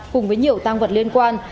cùng với nhiều tăng vật liên quan